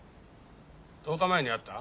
１０日前に会った？